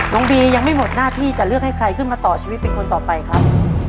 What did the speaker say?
น้องบียังไม่หมดหน้าที่จะเลือกให้ใครขึ้นมาต่อชีวิตเป็นคนต่อไปครับ